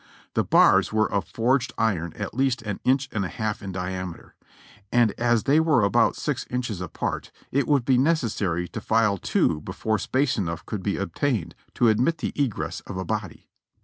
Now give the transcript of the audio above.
The bars were of forged iron at least an inch and a half in diameter; and as they were about six inches apart, it would be necessary to file two before space enough could be obtained to admit the egress of a body.